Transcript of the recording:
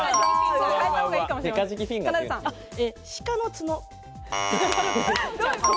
鹿の角。